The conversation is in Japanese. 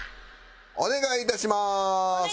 お願いいたします！